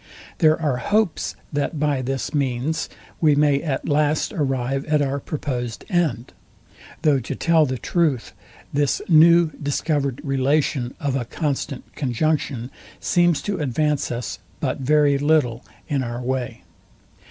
There are hopes, that by this means we may at last arrive at our proposed end; though to tell the truth, this new discovered relation of a constant conjunction seems to advance us but very little in our way.